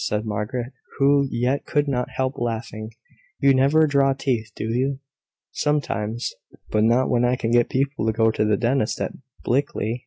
said Margaret, who yet could not help laughing. "You never draw teeth, do you?" "Sometimes; but not when I can get people to go to the dentist at Blickley.